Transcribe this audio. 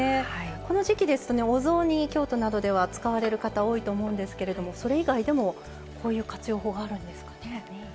この時期ですとお雑煮京都などでは使われる方多いと思うんですけれどもそれ以外でもこういう活用法があるんですかね。